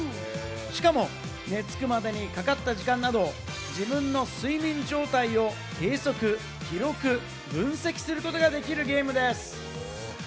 しかも寝付くまでにかかった時間など、自分の睡眠状態を計測、記録、分析することができるゲームです。